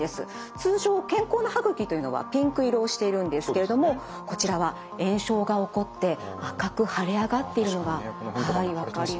通常健康な歯ぐきというのはピンク色をしているんですけれどもこちらは炎症が起こって赤く腫れ上がっているのがはい分かります。